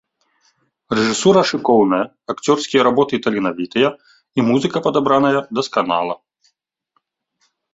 Рэжысура шыкоўная, акцёрскія работы таленавітыя, і музыка падабраная дасканала.